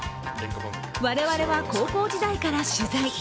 我々は高校時代から取材。